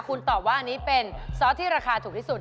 คุณตอบว่าอันนี้เป็นซอสที่ราคาถูกที่สุด